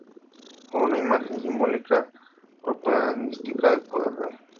Fue una imagen simbólica propagandística del poder real.